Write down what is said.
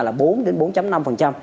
là bốn đến bốn năm